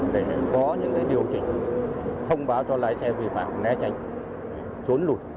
để có những điều chỉnh thông báo cho lái xe vi phạm né tránh trốn lùi